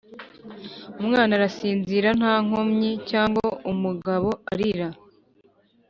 umwana azasinzira nta nkomyi cyangwa umugabo arira?